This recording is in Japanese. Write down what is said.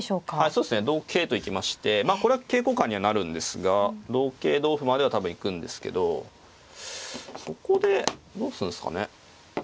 そうですね同桂と行きましてこれは桂交換にはなるんですが同桂同歩までは多分行くんですけどそこでどうすんすかね。